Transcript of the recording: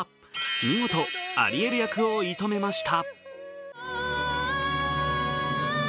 見事、アリエル役を射止めました。